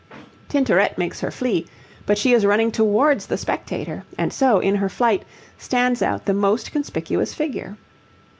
Tintoret makes her flee, but she is running towards the spectator, and so, in her flight, stands out the most conspicuous figure.